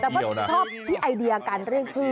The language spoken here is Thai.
แต่เพราะชอบที่ไอเดียการเรียกชื่อ